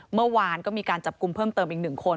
เมื่อวานก็มีการจับกลุ่มเพิ่มเติมอีก๑คน